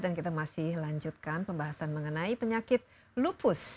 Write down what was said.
dan kita masih lanjutkan pembahasan mengenai penyakit lupus